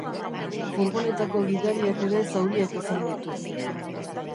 Furgonetako gidariak ere zauriak izan ditu.